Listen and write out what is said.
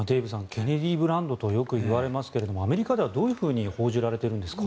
ケネディブランドとよくいわれますけれどもアメリカではどう報じられてるんですか？